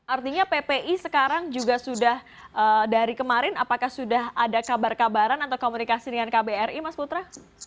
artinya ppi sekarang juga sudah dari kemarin apakah sudah ada kabar kabaran atau komunikasi dengan kbri mas putra